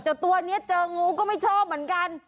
เอ้โธ่ตัวเงี้ยเจองูก็ไม่ชอบเหมือนกัน